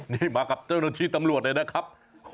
นี่มากับเจ้าหน้าที่ตำรวจเลยนะครับ